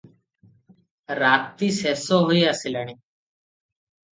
ରାତି ଶେଷ ହୋଇଆସିଲାଣି ।